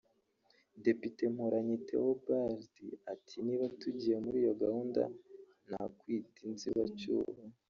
Depite Mporanyi Théobald ati″Niba tugiye muri iyo gahunda nakwita inzibacyuho